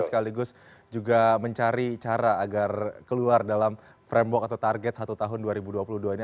sekaligus juga mencari cara agar keluar dalam framework atau target satu tahun dua ribu dua puluh dua ini